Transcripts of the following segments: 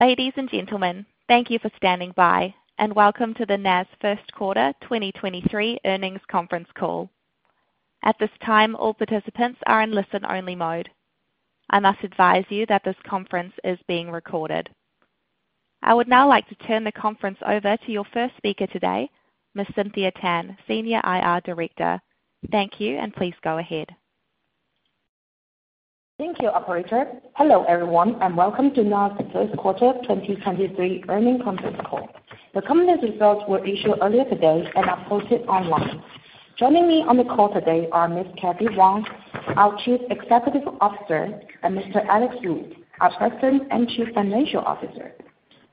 Ladies and gentlemen, thank you for standing by, and welcome to the NaaS first quarter 2023 earnings conference call. At this time, all participants are in listen-only mode. I must advise you that this conference is being recorded. I would now like to turn the conference over to your first speaker today, Miss Cynthia Tan, Senior IR Director. Thank you, and please go ahead. Thank you, operator. Hello, everyone. Welcome to NaaS first quarter 2023 earnings conference call. The company's results were issued earlier today and are posted online. Joining me on the call today are Miss Cathy Wang, our Chief Executive Officer, and Mr. Alex Wu, our President and Chief Financial Officer.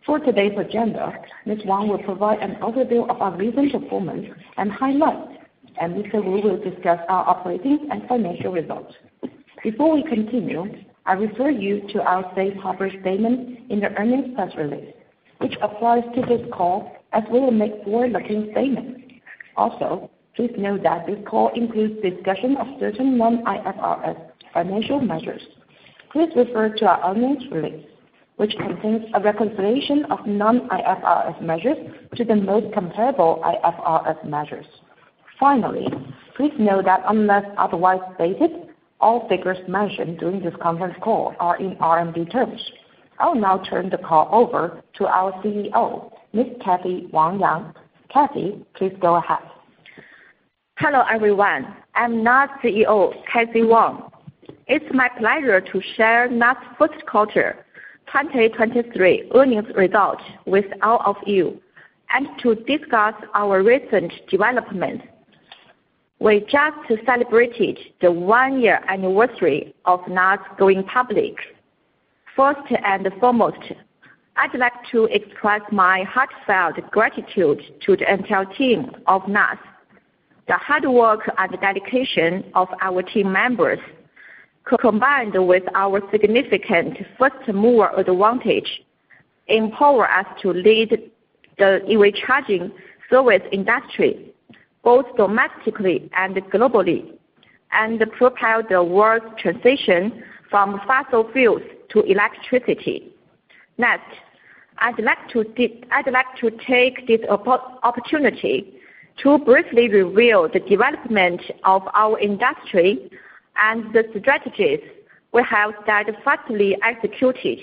For today's agenda, Miss Wang will provide an overview of our recent performance and highlights. Mr. Wu will discuss our operating and financial results. Before we continue, I refer you to our safe harbor statement in the earnings press release, which applies to this call as we will make forward-looking statements. Please note that this call includes discussion of certain non-IFRS financial measures. Please refer to our earnings release, which contains a reconciliation of non-IFRS measures to the most comparable IFRS measures. Please note that unless otherwise stated, all figures mentioned during this conference call are in RMB terms. I'll now turn the call over to our Chief Executive Officer, Miss Cathy Wang Yang. Cathy, please go ahead. Hello, everyone. I'm NaaS Chief Executive Officer, Cathy Wang. It's my pleasure to share NaaS first quarter 2023 earnings results with all of you, to discuss our recent development. We just celebrated the one-year anniversary of NaaS going public. First and foremost, I'd like to express my heartfelt gratitude to the entire team of NaaS. The hard work and dedication of our team members, combined with our significant first mover advantage, empower us to lead the EV charging service industry, both domestically and globally, propel the world's transition from fossil fuels to electricity. Next, I'd like to take this opportunity to briefly reveal the development of our industry and the strategies we have steadfastly executed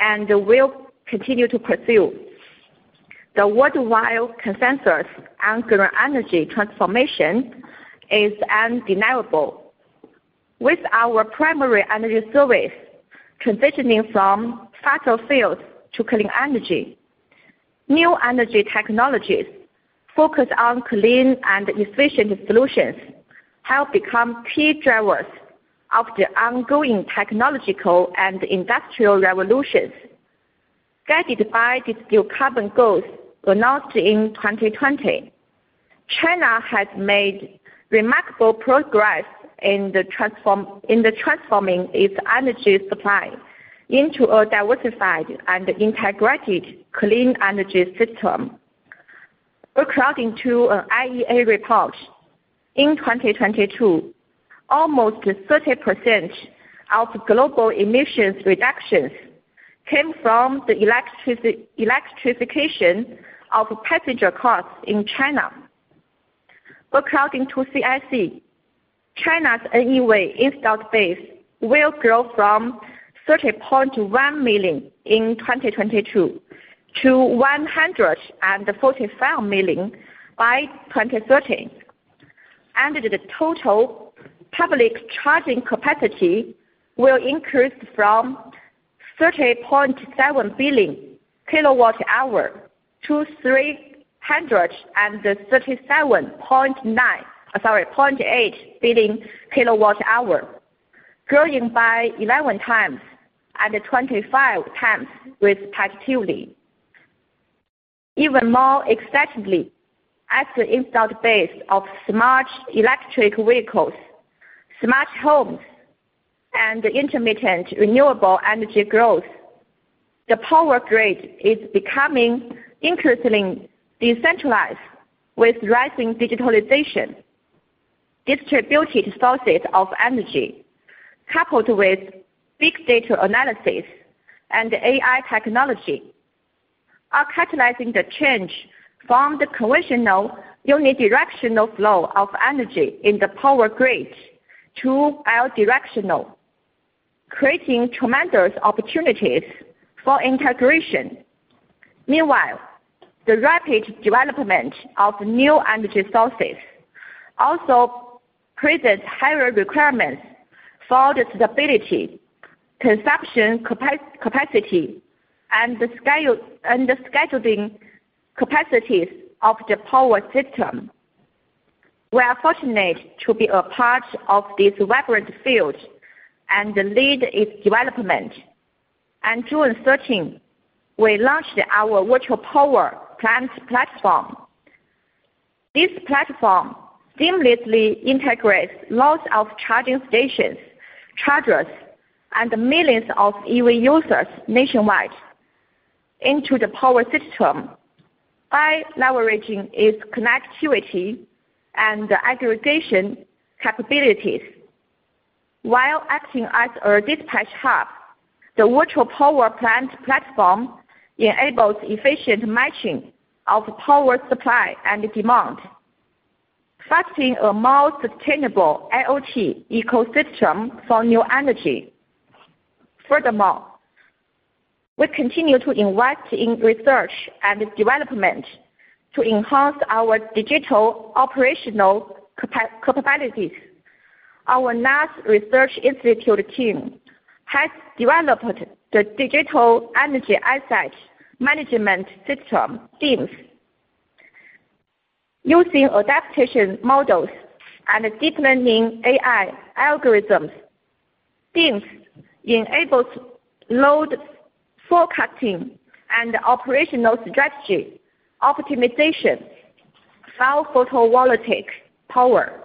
and will continue to pursue. The worldwide consensus on green energy transformation is undeniable. With our primary energy service transitioning from fossil fuels to clean energy, new energy technologies focused on clean and efficient solutions have become key drivers of the ongoing technological and industrial revolutions. Guided by the skill carbon goals announced in 2020, China has made remarkable progress in the transforming its energy supply into a diversified and integrated clean energy system. According to an IEA report, in 2022, almost 30% of global emissions reductions came from the electrification of passenger cars in China. According to CIC, China's EV installed base will grow from 30.1 million in 2022 to 145 million by 2030. The total public charging capacity will increase from 30.7 billion kWh to 337.8 billion kWh, growing by 11 times and 25 times with productivity. Even more excitedly, as the installed base of smart electric vehicles, smart homes, and intermittent renewable energy grows, the power grid is becoming increasingly decentralized with rising digitalization. Distributed sources of energy, coupled with big data analysis and AI technology, are catalyzing the change from the conventional unidirectional flow of energy in the power grid to bidirectional, creating tremendous opportunities for integration. Meanwhile, the rapid development of new energy sources also presents higher requirements for the stability, consumption capacity, and the scale, and the scheduling capacities of the power system. We are fortunate to be a part of this vibrant field and lead its development. On June 13, we launched our virtual power plant platform. This platform seamlessly integrates lots of charging stations, chargers, and millions of EV users nationwide into the power system by leveraging its connectivity and aggregation capabilities. While acting as a dispatch hub, the virtual power plant platform enables efficient matching of power supply and demand, fostering a more sustainable IoT ecosystem for new energy. We continue to invest in research and development to enhance our digital operational capabilities. Our NaaS Research Institute team has developed the Digital Energy Asset Management System, DEAMS. Using adaptation models and deep learning AI algorithms, DEAMS enables load forecasting and operational strategy, optimization, file photovoltaic power,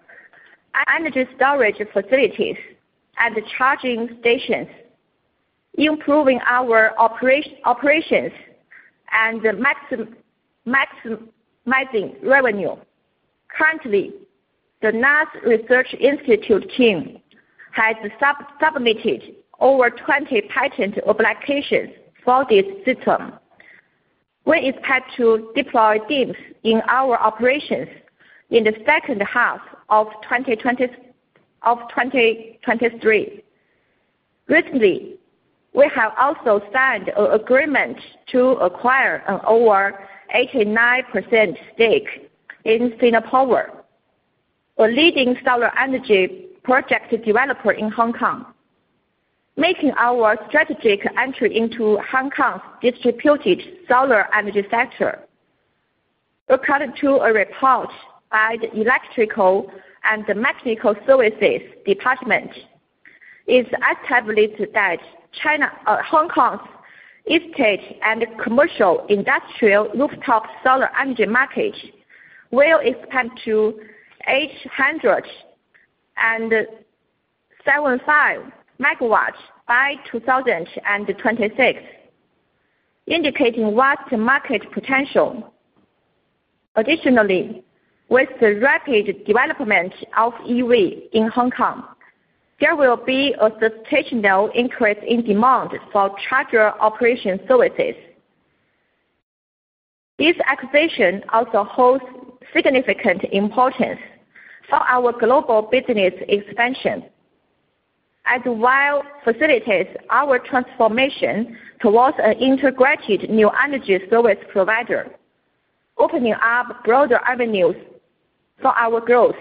energy storage facilities, and charging stations, improving our operations and maximizing revenue. Currently, the NaaS Research Institute team has submitted over 20 patent applications for this system. We expect to deploy DEAMS in our operations in the second half of 2023. Recently, we have also signed an agreement to acquire an over 89% stake in Sinopower, a leading solar energy project developer in Hong Kong, making our strategic entry into Hong Kong's distributed solar energy sector. According to a report by the Electrical and Mechanical Services Department, it's estimated that Hong Kong's estate and commercial industrial rooftop solar energy market will expand to 875 MW by 2026, indicating vast market potential. With the rapid development of EV in Hong Kong, there will be a substantial increase in demand for charger operation services. This acquisition also holds significant importance for our global business expansion, and while facilitates our transformation towards an integrated new energy service provider, opening up broader avenues for our growth.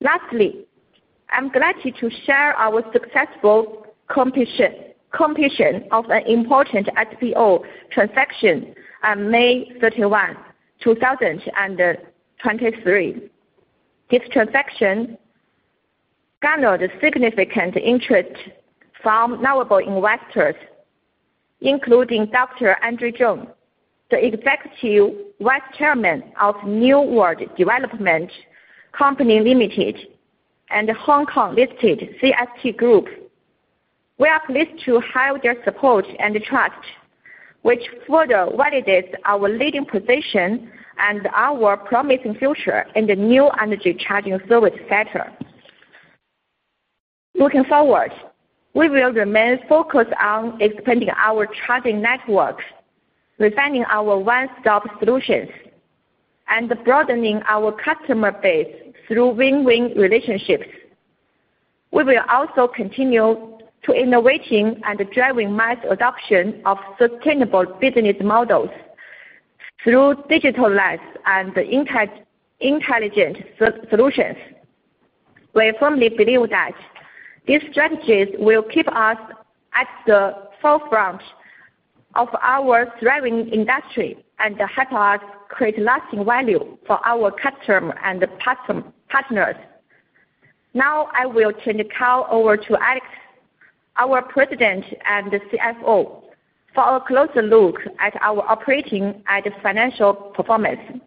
Lastly, I'm glad to share our successful completion of an important SPO transaction on May 31, 2023. This transaction garnered significant interest from notable investors, including Dr. Adrian Cheng, the Executive Vice Chairman of New World Development Company Limited, and Hong Kong-listed CST Group. We are pleased to have their support and trust, which further validates our leading position and our promising future in the new energy charging service sector. Looking forward, we will remain focused on expanding our charging networks, refining our one-stop solutions, and broadening our customer base through win-win relationships. We will also continue to innovating and driving mass adoption of sustainable business models through digitalized and intelligent solutions. We firmly believe that these strategies will keep us at the forefront of our thriving industry, help us create lasting value for our customer and partners. I will turn the call over to Alex, our President and Chief Financial Officer, for a closer look at our operating and financial performance.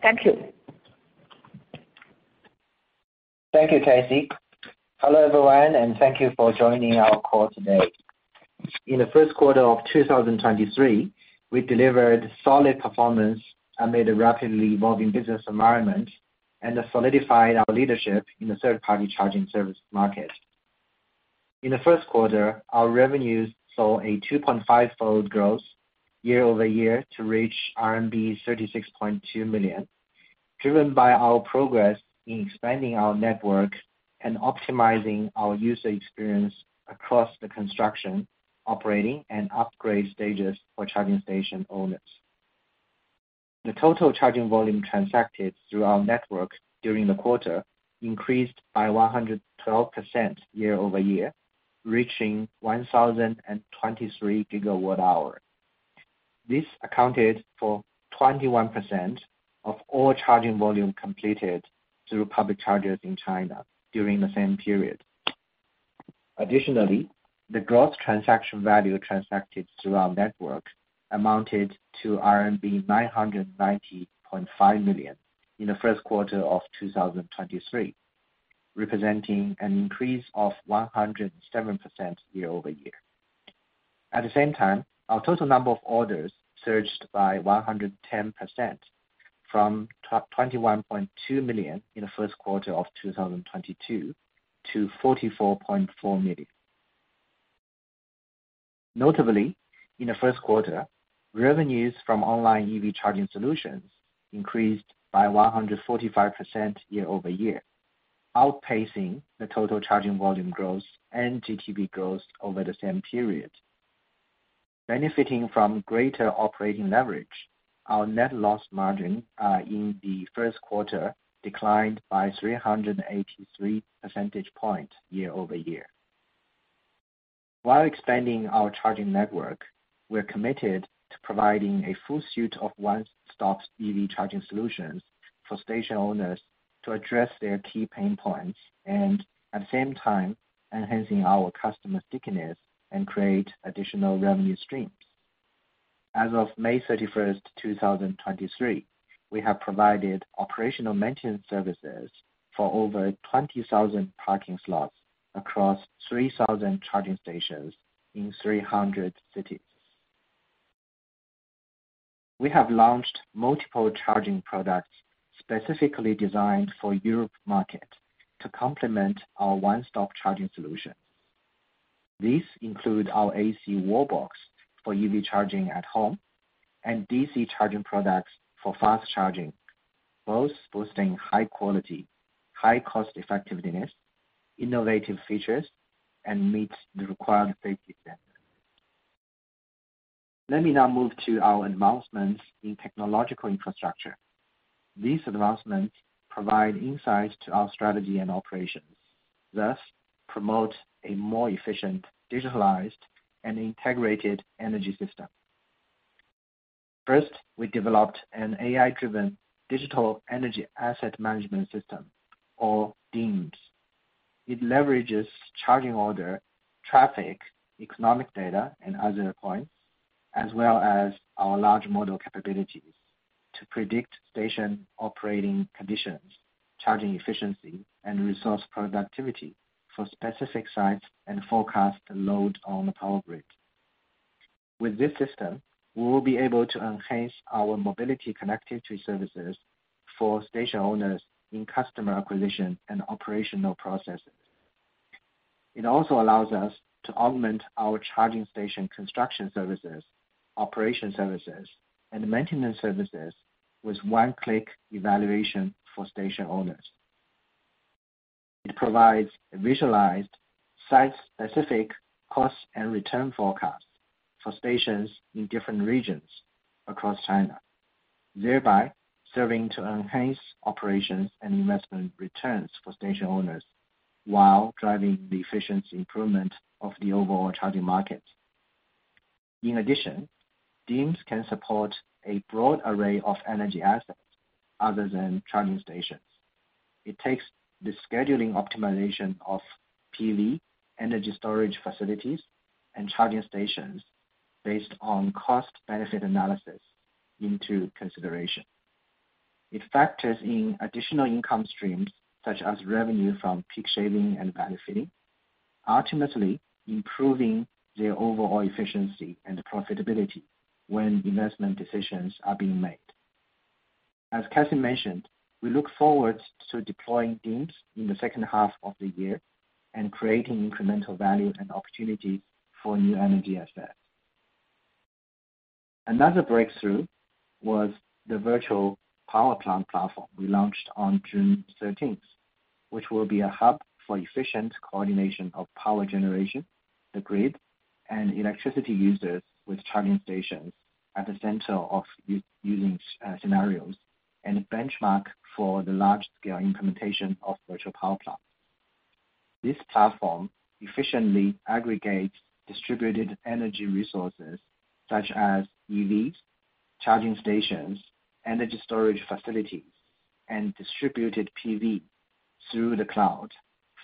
Thank you. Thank you, Cathy. Hello, everyone. Thank you for joining our call today. In the first quarter of 2023, we delivered solid performance amid a rapidly evolving business environment, solidified our leadership in the third-party charging service market. In the first quarter, our revenues saw a 2.5-fold growth year-over-year to reach RMB 36.2 million, driven by our progress in expanding our network and optimizing our user experience across the construction, operating, and upgrade stages for charging station owners. The total charging volume transacted through our network during the quarter increased by 112% year-over-year, reaching 1,023 GWh. This accounted for 21% of all charging volume completed through public chargers in China during the same period. Additionally, the Gross Transaction Value transacted through our network amounted to RMB 990.5 million in the first quarter of 2023, representing an increase of 107% year-over-year. At the same time, our total number of orders surged by 110%, from 21.2 million in the first quarter of 2022 to 44.4 million. Notably, in the first quarter, revenues from online EV charging solutions increased by 145% year-over-year, outpacing the total charging volume growth and GTV growth over the same period. Benefiting from greater operating leverage, our net loss margin in the first quarter declined by 383 percentage points year-over-year. While expanding our charging network, we're committed to providing a full suite of one-stop EV charging solutions for station owners to address their key pain points, and at the same time, enhancing our customer stickiness and create additional revenue streams. As of May 31, 2023, we have provided operational maintenance services for over 20,000 parking slots across 3,000 charging stations in 300 cities. We have launched multiple charging products specifically designed for Europe market to complement our one-stop charging solution. These include our AC wallbox for EV charging at home and DC charging products for fast charging, both boasting high quality, high cost effectiveness, innovative features, and meets the required safety standard. Let me now move to our advancements in technological infrastructure. These advancements provide insights to our strategy and operations, thus promote a more efficient, digitalized, and integrated energy system. First, we developed an AI-driven Digital Energy Asset Management System, or DEAMS. It leverages charging order, traffic, economic data, and other points, as well as our large model capabilities, to predict station operating conditions, charging efficiency, and resource productivity for specific sites and forecast the load on the power grid. With this system, we will be able to enhance our mobility connectivity services for station owners in customer acquisition and operational processes. It also allows us to augment our charging station construction services, operation services, and maintenance services with one-click evaluation for station owners. It provides a visualized, site-specific cost and return forecast for stations in different regions across China, thereby serving to enhance operations and investment returns for station owners while driving the efficiency improvement of the overall charging market. In addition, DEAMS can support a broad array of energy assets other than charging stations. It takes the scheduling optimization of PV energy storage facilities and charging stations based on cost-benefit analysis into consideration. It factors in additional income streams, such as revenue from peak shaving and battery feeding, ultimately improving their overall efficiency and profitability when investment decisions are being made. As Cathy mentioned, we look forward to deploying DEAMS in the second half of the year and creating incremental value and opportunities for new energy assets. Another breakthrough was the virtual power plant platform we launched on June thirteenth, which will be a hub for efficient coordination of power generation, the grid, and electricity users with charging stations at the center of using scenarios, and a benchmark for the large-scale implementation of virtual power plants. This platform efficiently aggregates distributed energy resources such as EVs, charging stations, energy storage facilities, and distributed PV through the cloud,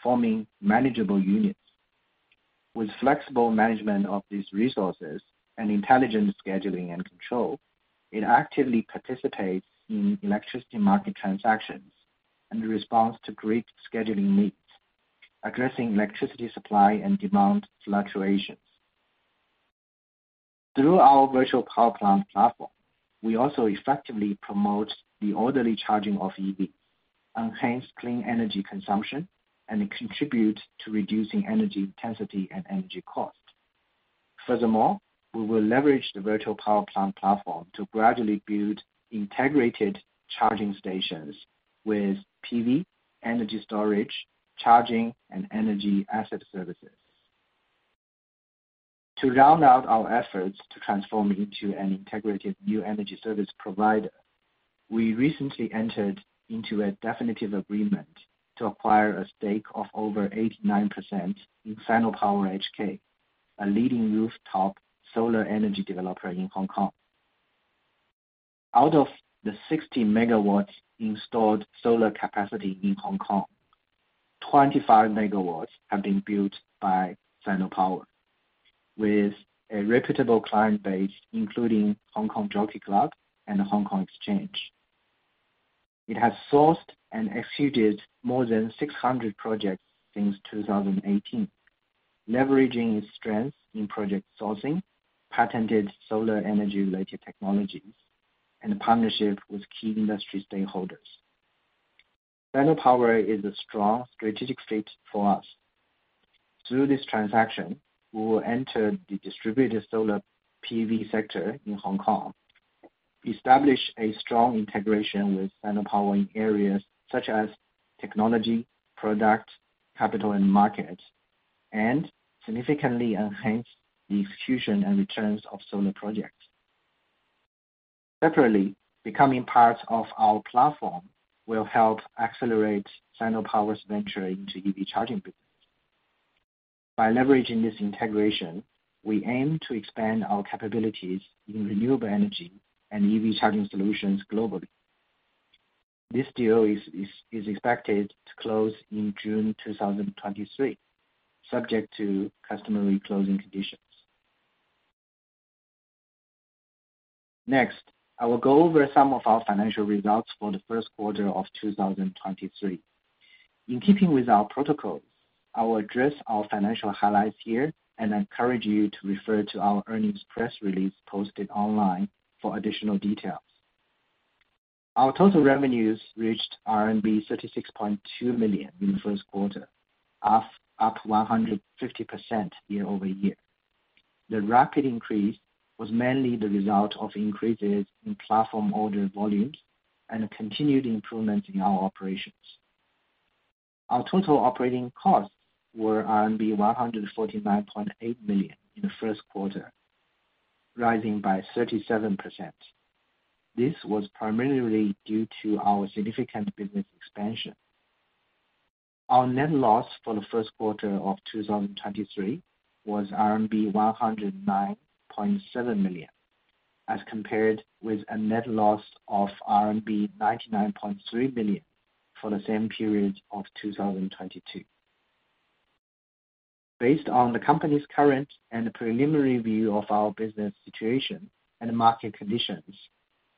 forming manageable units. With flexible management of these resources and intelligent scheduling and control, it actively participates in electricity market transactions and responds to grid scheduling needs, addressing electricity supply and demand fluctuations. Through our virtual power plant platform, we also effectively promote the orderly charging of EV, enhance clean energy consumption, and contribute to reducing energy intensity and energy cost. Furthermore, we will leverage the virtual power plant platform to gradually build integrated charging stations with PV, energy storage, charging, and energy asset services. To round out our efforts to transform into an integrated new energy service provider, we recently entered into a definitive agreement to acquire a stake of over 89% in Sinopower HK, a leading rooftop solar energy developer in Hong Kong. Out of the 60 MW installed solar capacity in Hong Kong, 25 MW have been built by Sinopower, with a reputable client base, including The Hong Kong Jockey Club and the Hong Kong Exchange. It has sourced and executed more than 600 projects since 2018, leveraging its strength in project sourcing, patented solar energy-related technologies, and partnership with key industry stakeholders. Sinopower is a strong strategic fit for us. Through this transaction, we will enter the distributed solar PV sector in Hong Kong, establish a strong integration with Sinopower in areas such as technology, product, capital, and market, and significantly enhance the execution and returns of solar projects. Separately, becoming part of our platform will help accelerate Sinopower's venture into EV charging business. By leveraging this integration, we aim to expand our capabilities in renewable energy and EV charging solutions globally. This deal is expected to close in June 2023, subject to customary closing conditions. Next, I will go over some of our financial results for the first quarter of 2023. In keeping with our protocols, I will address our financial highlights here and encourage you to refer to our earnings press release posted online for additional details. Our total revenues reached RMB 36.2 million in the first quarter, up 150% year-over-year. The rapid increase was mainly the result of increases in platform order volumes and continued improvement in our operations. Our total operating costs were RMB 149.8 million in the first quarter, rising by 37%. This was primarily due to our significant business expansion. Our net loss for the first quarter of 2023 was RMB 109.7 million, as compared with a net loss of RMB 99.3 million for the same period of 2022. Based on the company's current and preliminary view of our business situation and market conditions,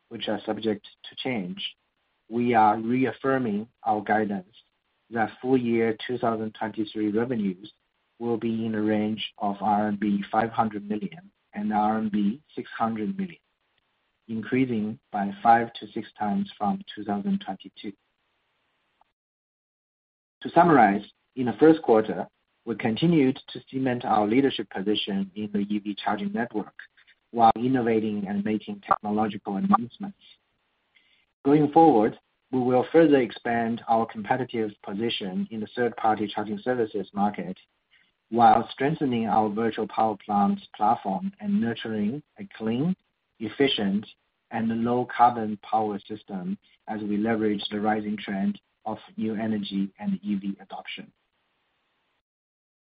which are subject to change, we are reaffirming our guidance that full year 2023 revenues will be in a range of 500 million-600 million RMB, increasing by five to six times from 2022. To summarize, in the first quarter, we continued to cement our leadership position in the EV charging network, while innovating and making technological advancements. Going forward, we will further expand our competitive position in the third-party charging services market, while strengthening our virtual power plants platform and nurturing a clean, efficient, and a low carbon power system as we leverage the rising trend of new energy and EV adoption.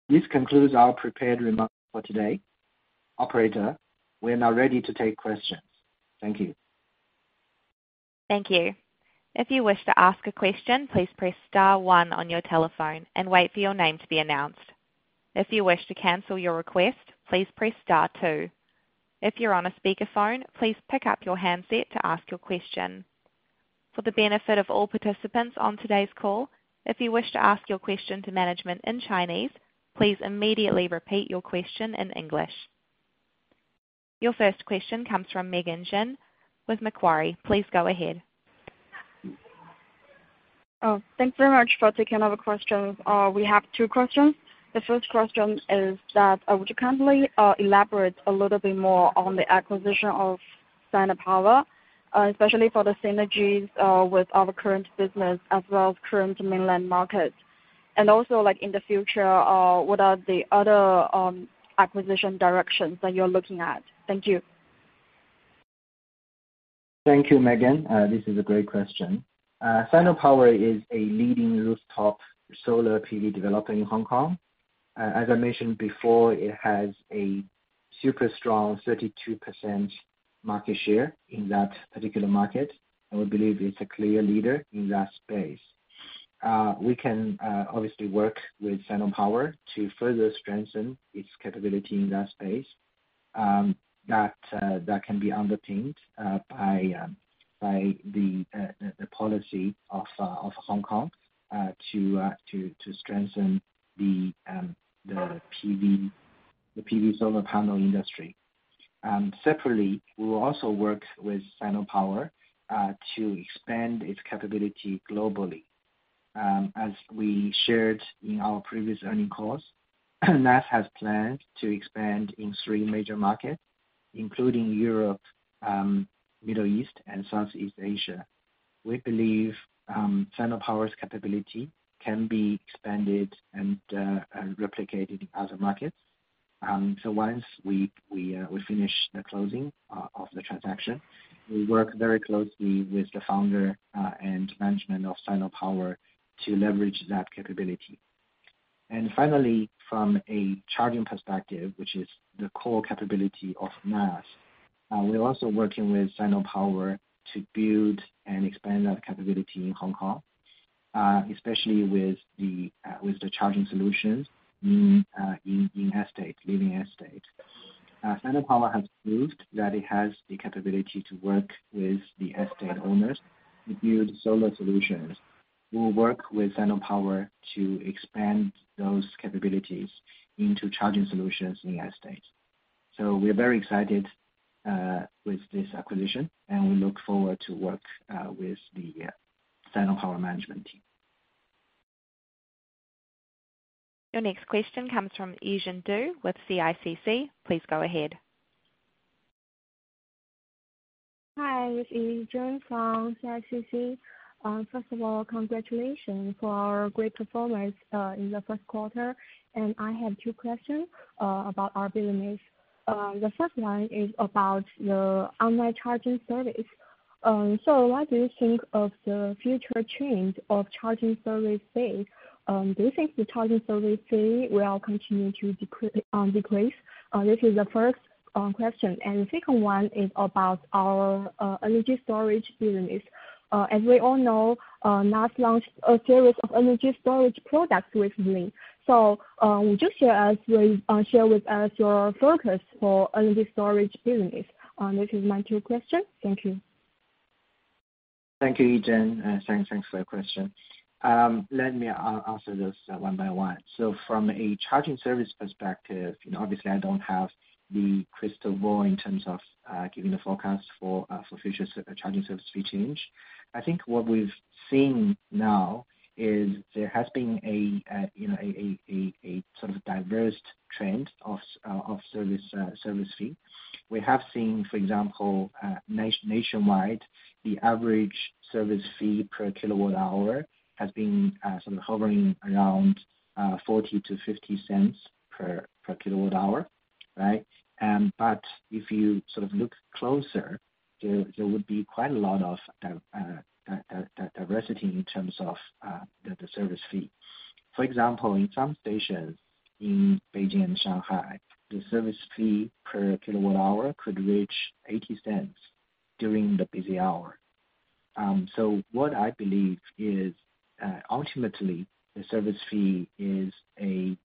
This concludes our prepared remarks for today. Operator, we are now ready to take questions. Thank you. Thank you. If you wish to ask a question, please press star one on your telephone and wait for your name to be announced. If you wish to cancel your request, please press star two. If you're on a speakerphone, please pick up your handset to ask your question. For the benefit of all participants on today's call, if you wish to ask your question to management in Chinese, please immediately repeat your question in English. Your first question comes from Megan Jin with Macquarie. Please go ahead. Thanks very much for taking all the questions. We have two questions. The first question is that, would you kindly elaborate a little bit more on the acquisition of Sinopower, especially for the synergies with our current business as well as current mainland market? Also, like, in the future, what are the other acquisition directions that you're looking at? Thank you. Thank you, Megan. This is a great question. Sinopower is a leading rooftop solar PV developer in Hong Kong. As I mentioned before, it has a super strong 32% market share in that particular market, and we believe it's a clear leader in that space. We can obviously work with Sinopower to further strengthen its capability in that space. That can be underpinned by the policy of Hong Kong to strengthen the PV solar panel industry. Separately, we will also work with Sinopower to expand its capability globally. As we shared in our previous earning calls, NaaS has planned to expand in 3 major markets, including Europe, Middle East, and Southeast Asia. We believe Sinopower's capability can be expanded and replicated in other markets. Once we finish the closing of the transaction, we work very closely with the founder and management of Sinopower to leverage that capability. Finally, from a charging perspective, which is the core capability of NaaS, we're also working with Sinopower to build and expand that capability in Hong Kong, especially with the charging solutions in living estate. Sinopower has proved that it has the capability to work with the estate owners to build solar solutions. We'll work with Sinopower to expand those capabilities into charging solutions in the estate. We are very excited with this acquisition, and we look forward to work with the Sinopower management team. Your next question comes from Yizhen Du with CICC. Please go ahead. Hi, it's Yizhen from CICC. First of all, congratulations for our great performance in the first quarter. I have two questions about our business. The first one is about the online charging service. So what do you think of the future trend of charging service fee? Do you think the charging service fee will continue to decrease? This is the first question. The second one is about our energy storage business. As we all know, NaaS launched a series of energy storage products recently. Would you share with us your focus for energy storage business? This is my two question. Thank you. Thank you, Yizhen. Thanks for your question. Let me answer this one by one. From a charging service perspective, you know, obviously I don't have the crystal ball in terms of giving a forecast for future charging service fee change. I think what we've seen now is there has been a, you know, a sort of diverse trend of service fee. We have seen, for example, nationwide, the average service fee per kWh has been sort of hovering around 0.40-0.50 per kWh, right? But if you sort of look closer, there would be quite a lot of diversity in terms of the service fee. For example, in some stations in Beijing and Shanghai, the service fee per kWh could reach $0.80 during the busy hour. What I believe is, ultimately, the service fee is a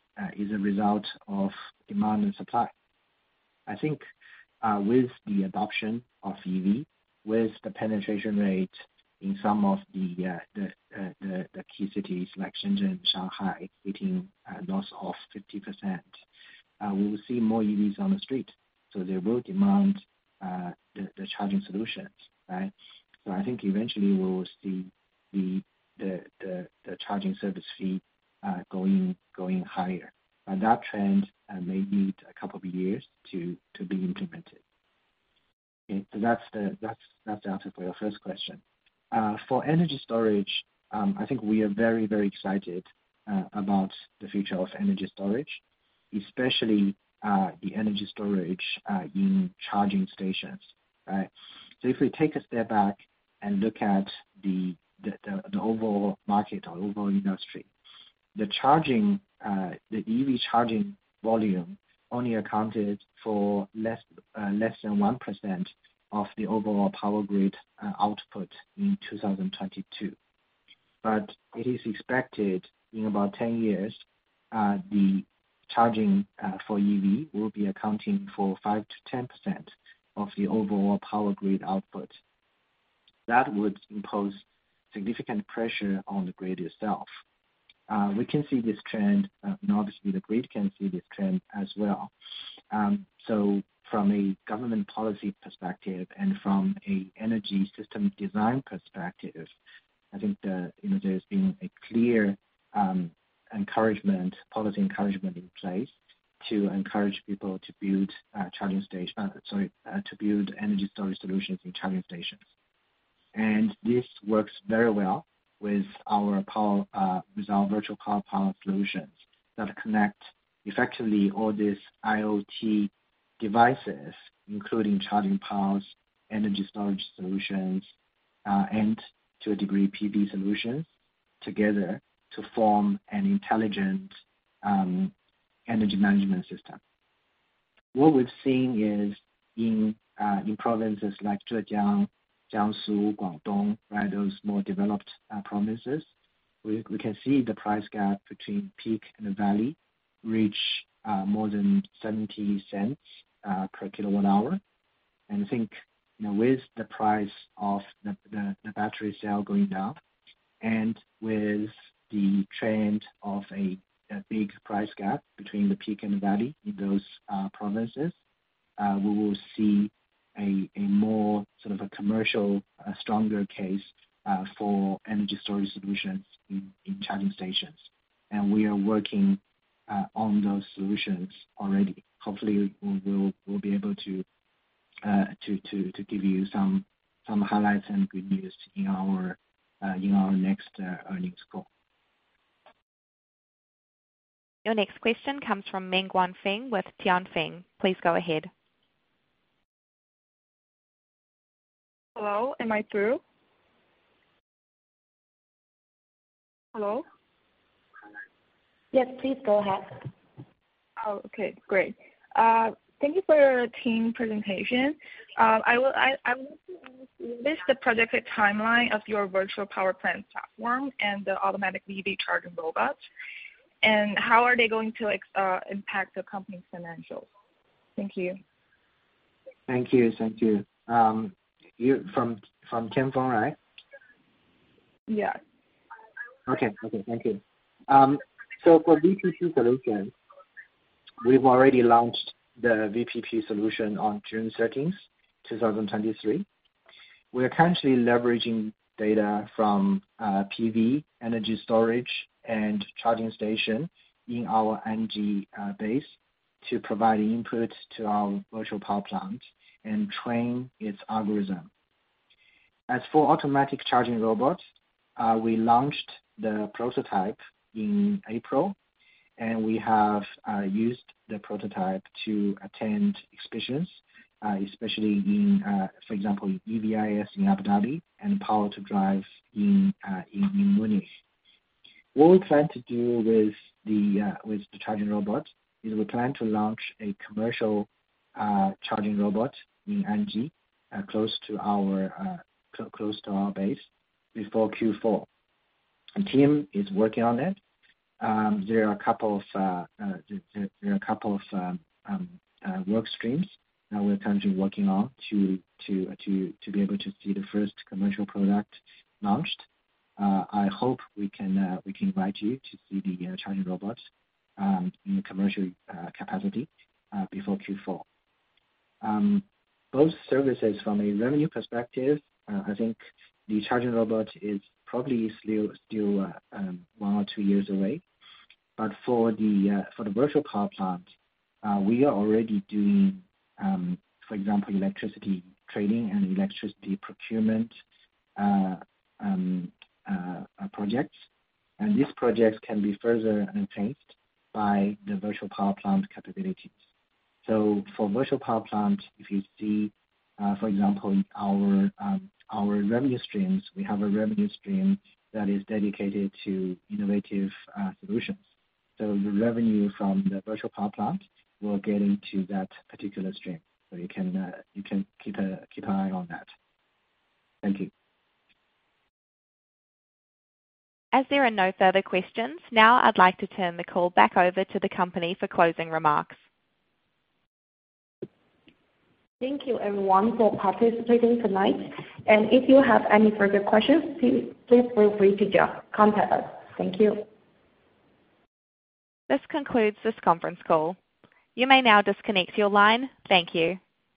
result of demand and supply. I think, with the adoption of EV, with the penetration rate in some of the key cities like Shenzhen, Shanghai, hitting those of 50%, we will see more EVs on the street, so there will demand the charging solutions, right? I think eventually we will see the charging service fee going higher. That trend may need a couple of years to be implemented. That's the answer for your first question. I think we are very, very excited about the future of energy storage, especially the energy storage in charging stations, right? If we take a step back and look at the overall market or overall industry, the charging, the EV charging volume only accounted for less than 1% of the overall power grid output in 2022. It is expected in about 10 years, the charging for EV will be accounting for 5%-10% of the overall power grid output. That would impose significant pressure on the grid itself. We can see this trend, and obviously the grid can see this trend as well. From a government policy perspective and from an energy system design perspective, I think that, you know, there's been a clear encouragement, policy encouragement in place to encourage people to build energy storage solutions in charging stations. This works very well with our virtual power solutions that connect effectively all these IoT devices, including charging powers, energy storage solutions, and to a degree, PV solutions, together to form an intelligent energy management system. What we've seen is in provinces like Zhejiang, Jiangsu, Guangdong, right? Those more developed provinces, we can see the price gap between peak and the valley reach more than 0.70 per kWh. I think, you know, with the price of the battery cell going down, and with the trend of a big price gap between the peak and the valley in those provinces, we will see a more sort of a commercial, stronger case, for energy storage solutions in charging stations. We are working on those solutions already. Hopefully, we'll be able to give you some highlights and good news in our next earnings call. Your next question comes from Menguan Feng with Tianfeng. Please go ahead. Hello, am I through? Hello? Yes, please go ahead. Oh, okay, great. Thank you for your team presentation. I want to list the projected timeline of your virtual power plant platform and the automatic EV charging robots, and how are they going to, like, impact the company's financials? Thank you. Thank you. Thank you. You're from Tianfeng, right? Yeah. Okay. Okay, thank you. For VPP solution, we've already launched the VPP solution on June 13th, 2023. We are currently leveraging data from PV, energy storage, and charging station in our Anji base to provide input to our virtual power plant and train its algorithm. As for automatic charging robots, we launched the prototype in April, and we have used the prototype to attend exhibitions, especially in, for example, EVIS in Abu Dhabi and Power2Drive in Munich. What we plan to do with the charging robot, is we plan to launch a commercial charging robot in Anji close to our close to our base before Q4. The team is working on it. There are a couple of work streams that we're currently working on to be able to see the first commercial product launched. I hope we can invite you to see the charging robots in commercial capacity before Q4. Both services from a revenue perspective, I think the charging robot is probably still one or two years away. For the virtual power plant, we are already doing, for example, electricity trading and electricity procurement projects. These projects can be further enhanced by the virtual power plant capabilities. For virtual power plant, if you see, for example, our revenue streams, we have a revenue stream that is dedicated to innovative solutions. The revenue from the virtual power plant will get into that particular stream. You can keep an eye on that. Thank you. As there are no further questions, now I'd like to turn the call back over to the company for closing remarks. Thank you everyone for participating tonight, and if you have any further questions, please feel free to just contact us. Thank you. This concludes this conference call. You may now disconnect your line. Thank you.